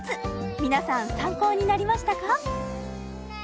皆さん参考になりましたか？